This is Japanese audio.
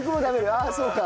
ああそうか。